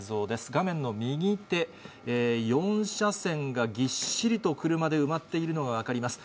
画面の右手、４車線がぎっしりと車で埋まっているのが分かります。